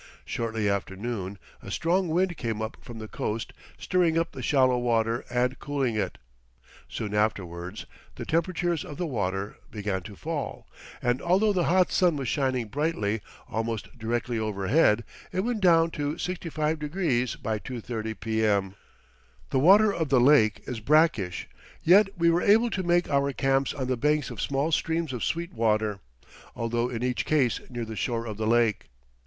Shortly after noon a strong wind came up from the coast, stirring up the shallow water and cooling it. Soon afterwards the temperature of the water began to fall, and, although the hot sun was shining brightly almost directly overhead, it went down to 65° by 2:30 P.M. The water of the lake is brackish, yet we were able to make our camps on the banks of small streams of sweet water, although in each case near the shore of the lake.